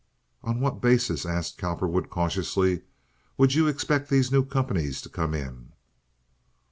"On what basis," asked Cowperwood, cautiously, "would you expect these new companies to come in?"